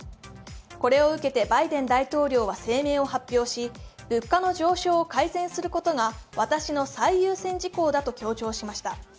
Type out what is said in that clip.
これを受けてバイデン大統領は声明を発表し、物価の上昇を改善することが私の最優先事項だと強調しました。